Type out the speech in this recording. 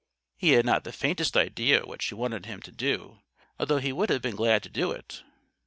He had not the faintest idea what she wanted him to do, although he would have been glad to do it.